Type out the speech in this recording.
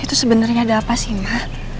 ini tuh sebenernya ada apa sih ma